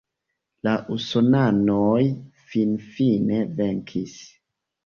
La usonanoj finfine venkis.